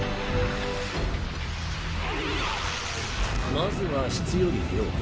まずは質より量。